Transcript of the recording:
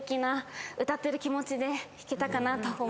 歌ってる気持ちで弾けたかなと思います。